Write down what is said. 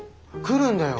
来るんだよ